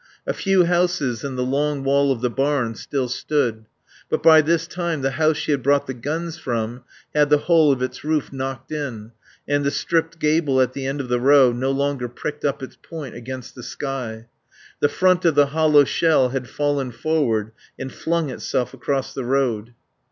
A few houses and the long wall of the barn still stood; but by this time the house she had brought the guns from had the whole of its roof knocked in, and the stripped gable at the end of the row no longer pricked up its point against the sky; the front of the hollow shell had fallen forward and flung itself across the road.